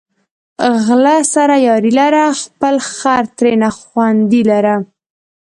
غله سره یاري لره، خپل خر ترېنه خوندي لره